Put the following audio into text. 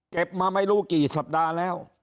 มาไม่รู้กี่สัปดาห์แล้ว